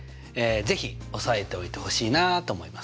是非押さえておいてほしいなと思いますね。